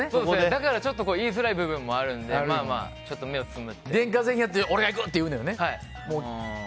だから、ちょっと言いづらい部分もあるので電化製品は俺が行くって言うんよね。